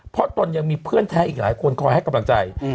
เพราะตนยังมีเพื่อนแท้อีกหลายคนคอยให้กำลังใจ